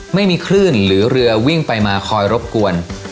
ไม่มีคลื่นหรือเรือวิ่งไปมาคอยรบกวน